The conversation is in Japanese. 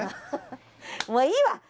もういいわ！